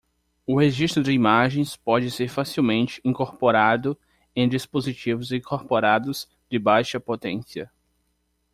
O registro de imagens pode ser facilmente incorporado em dispositivos incorporados de baixa potência.